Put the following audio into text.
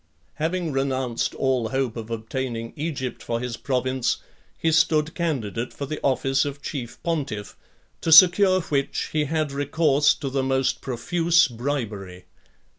XIII. Having renounced all hope of obtaining Egypt for his province, he stood candidate for the office of chief pontiff, to secure which, he had recourse to the most profuse bribery.